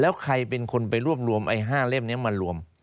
แล้วใครเป็นคนไปรวบรวมไอ้๕เล่มนี้มารวม